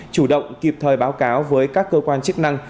chủ động kịp thời báo cáo với các cơ quan chức năng